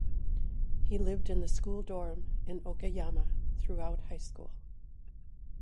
He lived in the school dorm in Okayama through out high school.